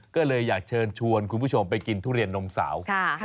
ก็เลยอยากเชิญชวนคุณผู้ชมไปกินทุเรียนนมสาว